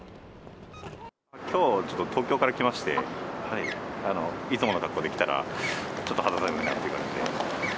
きょう、ちょっと東京から来まして、いつもの格好で来たら、ちょっと肌寒いなっていう感じで。